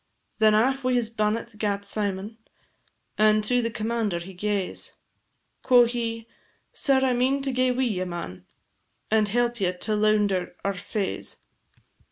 Then aff wi' his bannet gat Symon, And to the commander he gaes; Quo' he, "Sir, I mean to gae wi' ye, man, And help ye to lounder our faes.